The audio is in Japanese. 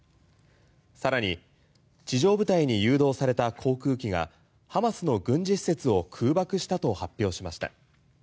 さらに地上部隊に誘導された航空機がハマスの軍事施設を空爆したと発表しました。